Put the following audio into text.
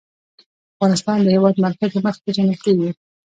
افغانستان د د هېواد مرکز له مخې پېژندل کېږي.